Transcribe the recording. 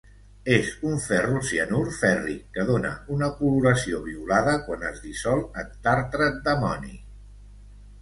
És un ferrocianur fèrric que dóna una coloració violada quan és dissolt en tartrat d'amoni.